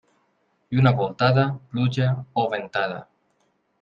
Lluna voltada, pluja o ventada.